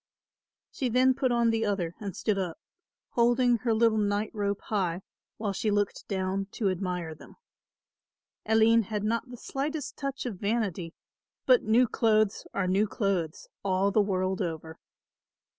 She then put on the other and stood up, holding her little nightrobe high while she looked down to admire them. Aline had not the slightest touch of vanity, but new clothes are new clothes all the world over.